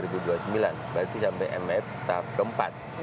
berarti sampai mf tahap keempat